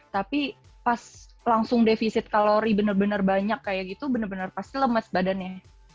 tapi pas langsung defisit kalori bener bener banyak kayak gitu benar benar pasti lemes badannya